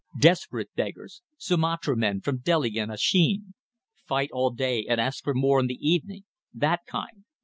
Desperate beggars. Sumatra men, from Deli and Acheen. Fight all day and ask for more in the evening. That kind."